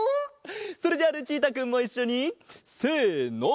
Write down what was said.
それじゃあルチータくんもいっしょにせの！